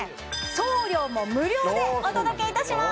送料も無料でお届けいたします！